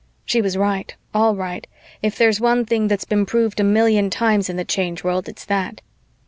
She was right, all right if there's one thing that's been proved a million times in the Change World, it's that.